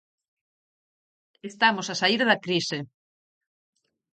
Estamos a saír da crise.